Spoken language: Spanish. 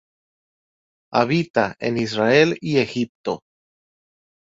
Habita en Israel y Egipto.